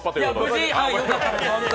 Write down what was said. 無事、よかったです。